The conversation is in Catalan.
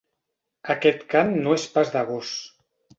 Aquest cant no és pas de gos.